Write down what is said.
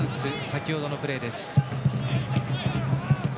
先程のプレーです。